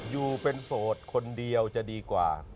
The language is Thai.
อยู่เป็นโสดคนเดียวจะดีกว่า